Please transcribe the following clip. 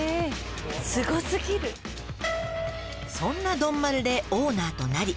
「そんな丼丸でオーナーとなり」